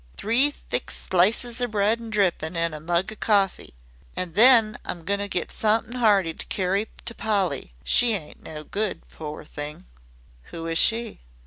"Three thick slices o' bread an' drippin' an' a mug o' cawfee. An' then I'm goin' to get sumethin' 'earty to carry to Polly. She ain't no good, pore thing!" "Who is she?"